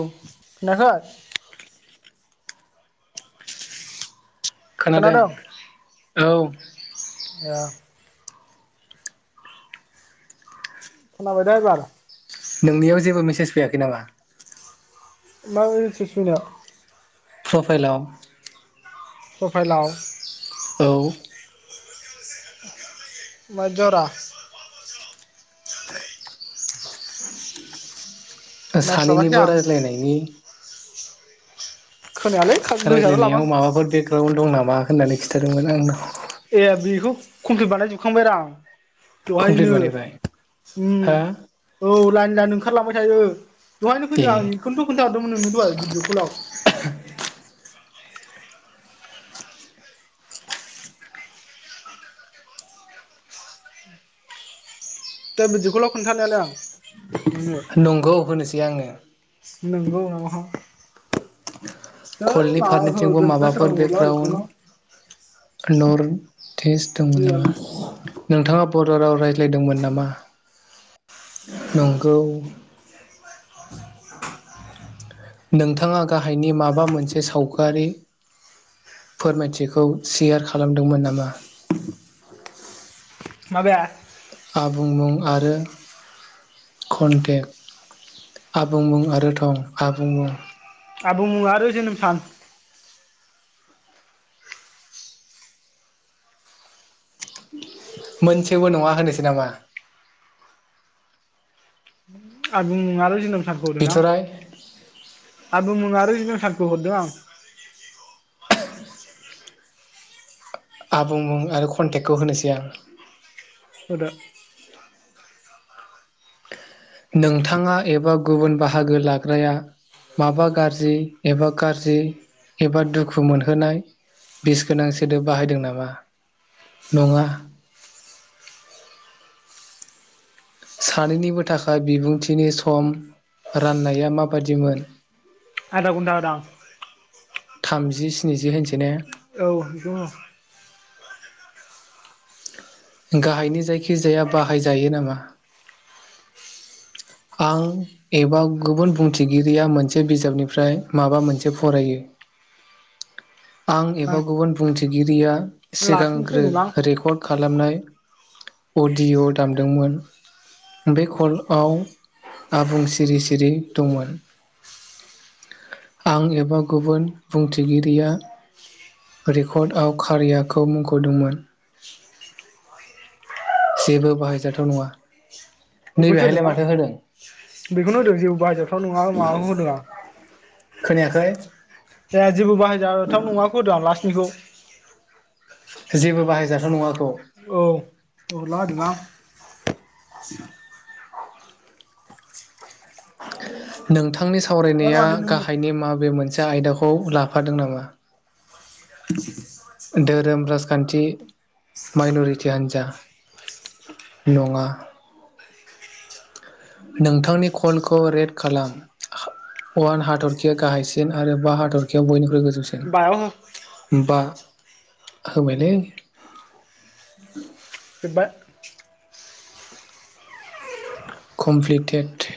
औ खोनादों औ। ए खोनाबाय दे एबार। नोंनियाव जेबो मेसेज फैयाखै नामा। मा मेसेस फैनो। प्रफाइलाव। प्रफाइलाव। औ। मा ज'रा नायस्लाबाखै सानैनिबो आं रायज्लायनायनि खोनायालै गोजानाव लाबां रायज्लायनायाव माबाफोर बेकग्राउड दं ना मा होननानै खिन्थादोंमोन आंनाव। ए बेखौ कमप्लिट बानायजोबखांबाय र आं। कमप्लिट बेहायनो बानायबाय उम हा औ। अब्ला निलाानो ओंखारलांबाय थायो। दहायनो फैदो ए आं बेखौनोथ' खोन्थाहरदोंमोन नोंनो दहाय भिडिअ कलाव। दा बिदिखौल' खोन्थानायालाय आं नोंनो नंगौ होनोसै आंङो। नंगौ नहाव कलनि फारनिथिंबो माबाफोर बेकग्राउन बिखौनो नरथ्रेस दंङमोन नामा? नोंथांङा बर' राव रायज्लायदोंमोन नामा नंगौ। नोंथांङा गाहायनि माबा मोनसे सावगारि फोरमायथिखौ सेयार खालामदोंमोन नामा? माबाया आबुं मुं आरो कन्टेग आबुं मुं आरो थं आबुं मुं आबुं मुं आरो जोनोम सान मोनसेबो नंङा होनोसै नामा? आबुं मुं आरो जोनोम बिथ'राय [unintelligible] आबु मुं आरो जोनोम सान खौ हरदों आं आबुं मुं आरो कन्टेक्टखौ होनोसै आं होदो नोंथांङा एबा गुबुन बाहागो लाग्राया माबा गाज्रि एबा गाज्रि एबा दुखु मोनहोनाय बिस गोनां सोदोब बाहायदों नामा नंङा? सानैनिबो थाखाय बिबुंथिनि सम राननाया माबादिमोन? आदागन्दा होदां। थामजि स्निजि होनसै ने? औ बेखौ हो गाहायनि जायखिजाया बाहायजायो नामा? आं एबा गुबुन बुंथिगिरिया मोनसे बिजाबनिफ्राय माबा मोनसे फरायो। आं एबा गुबुन बुंथि गिरिया लास्टखौ सिगांग्रो सोदोंलां रेकर्ड खालामनाय अडिअ दामदोंमोन बे कल ओव आबुं सिरि सिरि दंमोन आं एबा गुबुन बुंथिगिरिया रेकर्डआव कारियाखौ मुंख'दोंमोन। जेबो बाहायजाथाव नंङा? बेखौसो होदों आं बेखौनो होदों जिबो बाहाय जाथाव नंङा माबाखौ होदों आं याखै? जाया जेबो बाहाय जाथाव नंङाखौ होदां लास्टनिखौ जेबो बाहायजाथाव नंङाखौ। औ औला होदोंलां। [unintelligible] नोंथां थांनि सावरायनाया गाहायनि मा बे मोनसे दा आयदाखौ लाफादों नामा? [inaudible] धोरोम राजखान्थि माइन'रिटि हान्जा नंङा नोंथांनि कलखौ रेड खालाम अआन हाथरखिया गाहायसिन आरो बा हाथरखियाव बयनिख्रुइ गोजौ हुसेन बायाव हो बा होबायलै जोबाय कमप्लिटेड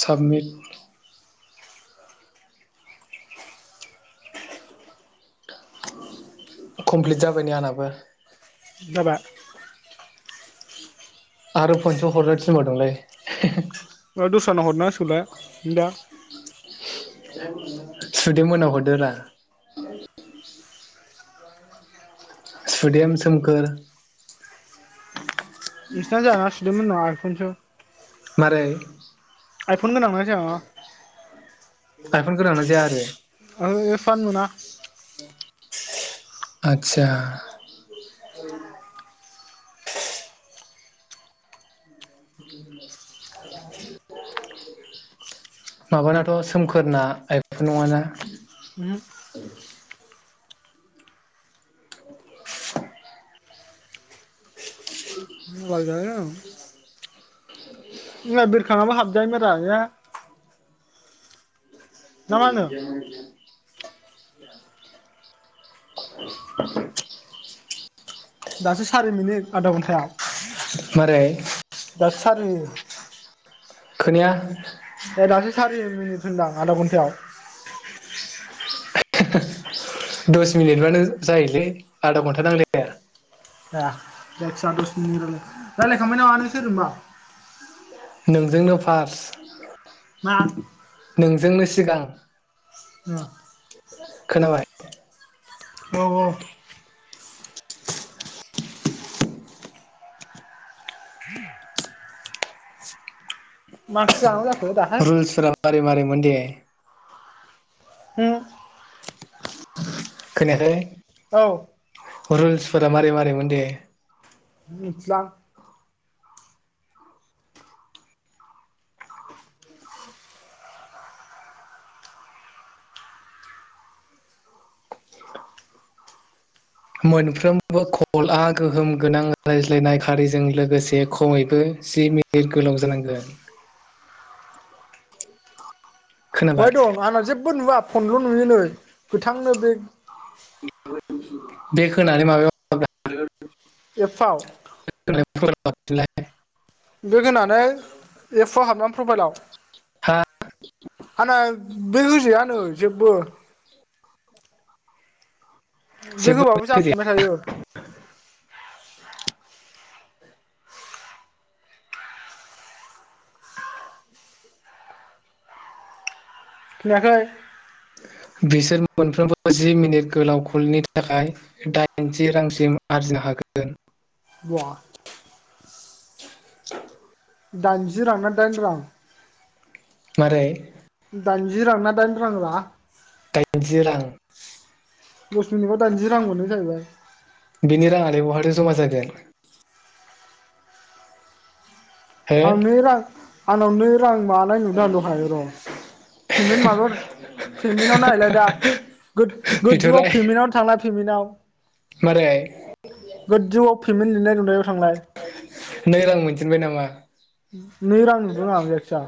साबमिट कमप्लिट जाबायनि आंनाबो माबा आरो फनस' हरनो थिनबादोंलै दस्रानाव हरनां सिगोनलाया नोदा सुदोमोनाव हरदोरा सुदेम सोमखोर इसना जायाना सु देममोन नख आइफनस आरोै आइफन गोनांना जाया ना आइफनगोनां ना जाया आरो? ओ इफानो मोना आतसा [inaudible] माबानाथ' सोमखोरना आइफनब ओमहो नङाना मबाइल [inaudible] गैयालै आंनाव औ जोंना बेरखाङाबो हाबजायो मोनरा ने [inaudible] [inaudible] दासो सारि मिनिट आधा घन्टा था मारै दासो सारि खोनाया ए दासो सारि आरि आधा घन्टायाव दस मिनिटबानो जाहोलै आधा घन्टा नांलाया ए रायलायखांबाय नामा नों सोरजों बा नोंजोंनो फ्रास मा नोंजोंनोसी सिगां न खोनाबाय औ औ मास माजाखो रुल्सफोरा मारै मारै मोनदे [inaudible] होम खोनायाखै औ रुल्सफोरा मारै मारै मोन दे? मिथलां [inaudible] मोनफ्रोमबो कलआ गोहोम गोनां रायज्लायनाय खारिजों लोगोसे खमैबो जि मिनिट गोलाव जानांगोन। [inaudible] बहाय खोनाबाय दं आंना जेबो नुआ फनल' नुयो नै? गोथांनो बे बे खोनानै माबायाव [unintelligible] एफाव हाबदोलाय दोद होनानै एफाव हाबलां हा प्रबाइलाव आना बे होजायानो जेबो बे जेबो होबाबो होजाया जाफिनबाय थायो। खोनायाखै? बिसोर मोनफ्रोमबो जि मिनिट गोलाव खलनि थाखाय दाइनजि रांसिम आरजिनो हागोन। बवा [inaudible] दाइनजि रां ना दाइन रां? मारै दाइनजि रां ना दाइन रां रा? दाइनजि रां। दस मिनिट गाव दाइनजि रां मोनो जाहैबाय। बिनि राङालाय बहाथो ज'मा जागोन? हो आ मिरां आं नावनो रां मानाय नुदों आं दहाय र' पेमेन हाबायाव पेमेनाव नायहैलाय दा। बेथ' गोद-गोदजौआव राय पेमेनाव थांना पेमेनाव मारै गोदजौआव फेमेन लिरनाय दं। नायाव थांलाय जेनबाय नामा? नै रां नुदों आं जायखि जा